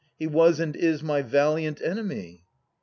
He was and is my valiant enemy.